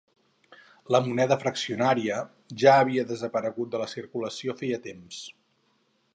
La moneda fraccionària ja havia desaparegut de la circulació feia temps.